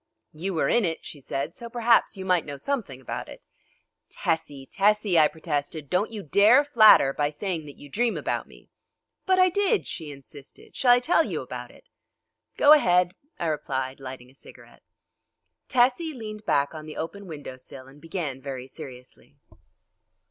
"You were in it," she said, "so perhaps you might know something about it." "Tessie! Tessie!" I protested, "don't you dare flatter by saying that you dream about me!" "But I did," she insisted; "shall I tell you about it?" "Go ahead," I replied, lighting a cigarette. Tessie leaned back on the open window sill and began very seriously.